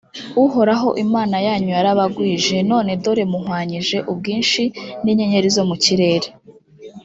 uhoraho imana yanyu yarabagwije, none dore muhwanyije ubwinshi n’inyenyeri zo mu kirere.